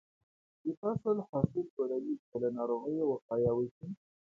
د فصل حاصل لوړوي که له ناروغیو وقایه وشي.